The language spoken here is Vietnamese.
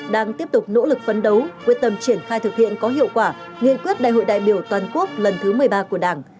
đang tiếp tục nỗ lực phấn đấu quyết tâm triển khai thực hiện có hiệu quả nghị quyết đại hội đại biểu toàn quốc lần thứ một mươi ba của đảng